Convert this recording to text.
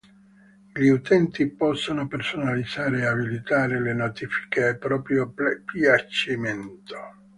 Gli utenti possono personalizzare e abilitare le notifiche a proprio piacimento.